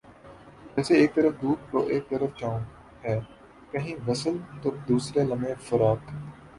جیسے ایک طرف دھوپ تو ایک طرف چھاؤں ہے کہیں وصل تو دوسرے لمحےفراق